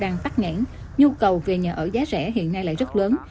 nhu cầu về nhà ở giá rẻ hiện nay lại rất lớn